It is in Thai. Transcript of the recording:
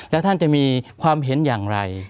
แล้วท่านจะมีความเห็นอย่างไร